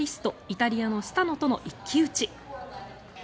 イタリアのスタノとの一騎打ち。